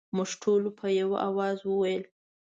موږ ټولو په یوه اواز وویل.